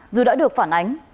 dù đã được phản ánh